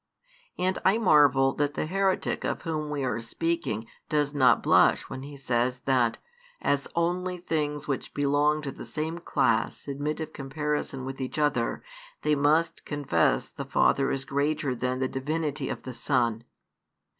And I marvel that the heretic of whom we are speaking does not blush when he says that "as only things which belong to the same class admit of comparison with each other, they must confess the Father is greater than the Divinity of the Son."